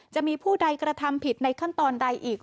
จะมีผู้ใดกระทำผิดในขั้นตอนใดอีก